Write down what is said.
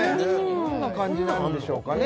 どんな感じなんでしょうかね